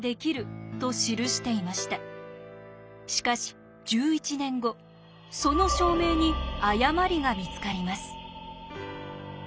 しかし１１年後その証明に誤りが見つかります。